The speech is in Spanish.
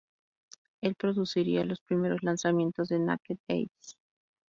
Él produciría los primeros lanzamientos de Naked Eyes.